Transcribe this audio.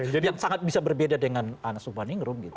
yang sangat bisa berbeda dengan anas urban ingrum gitu